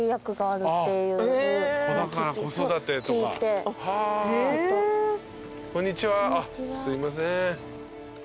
あっすいません。